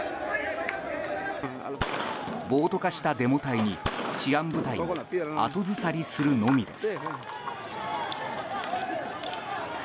暴徒化したデモ隊に、治安部隊も後ずさりするのみです。